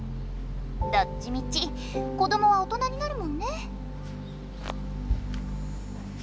どっちみち子どもは大人になるもんね。